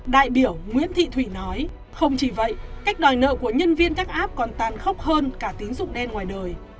đại biểu nguyễn thị thủy nói không chỉ vậy cách đòi nợ của nhân viên các app còn tan khóc hơn cả tín dụng đen ngoài đời